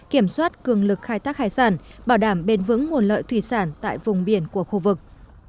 kiểm soát cường lực khai thác hải sản bảo đảm bền vững nguồn lợi thủy sản tại vùng biển của khu vực